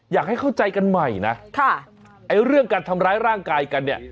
อยากให้เข้าใจกันใหม่นะค่ะไอ้เรื่องการทำร้ายร่างกายกันเนี่ย